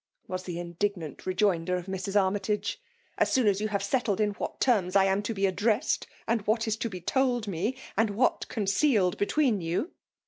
— was the indignant rejoinder of Mrs. Armytage ;*< as soon as you have settled in what terms I am to be addressed, and what is to be told me^ and what concealed between you."